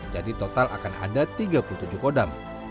jadi total akan ada tiga puluh tujuh kodam